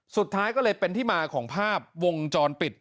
สุดท้ายก็เลยเป็นที่มาของภาพวงจรปิด